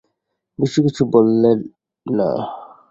বিশেষ কিছু বললে না।